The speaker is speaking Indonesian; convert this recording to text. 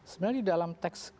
sebenarnya di dalam teks